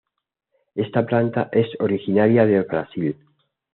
Esta planta es originaria de Brasil.